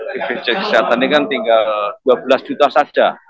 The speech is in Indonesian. bpjs kesehatan ini kan tinggal dua belas juta saja